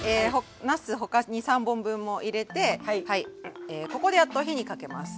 なす他２３本分も入れてここでやっと火にかけます。